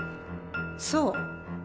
そう。